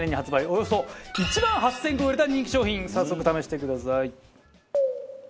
およそ１万８０００個売れた人気商品早速試してください。